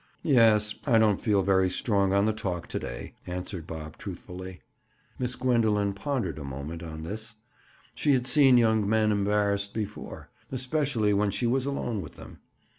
"Yes; I don't feel very strong on the talk to day," answered Bob truthfully. Miss Gwendoline pondered a moment on this. She had seen young men embarrassed before—especially when she was alone with them.